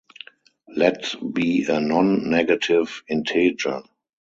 Let be a non-negative integer.